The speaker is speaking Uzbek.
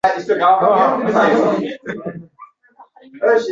Hayotda o‘zingiz istamagan ishni qilishga majbur bo‘lasiz.